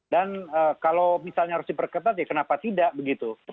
dan kalau misalnya harus diperketat ya kenapa tidak begitu